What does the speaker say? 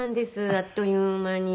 あっという間に。